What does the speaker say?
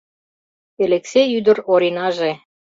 Элексей ӱдыр Оринаже